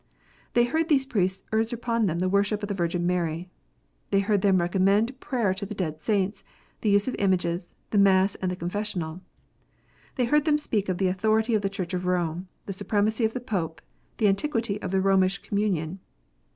They heard these priests urge upon them the worship of the Virgin Mary. They heard them recommend prayer to the dead saints, the use of images, the mass and the confessional. They heard them speak of the authority of the Church of Rome, the supremacy of the Pope, the antiquity of the Romish Communion.